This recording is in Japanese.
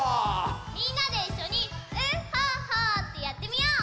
みんなでいっしょにウッホッホーってやってみよう。